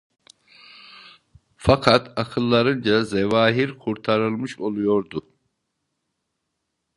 Fakat akıllarınca zevahir kurtarılmış oluyordu.